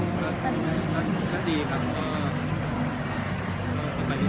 งานต้องให้ถือไว้